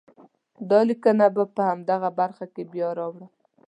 دا لیکنه به په همدغه برخه کې بیا راوړم.